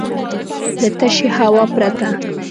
د تشې هوا پرته .